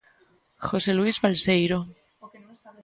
José Luís Balseiro.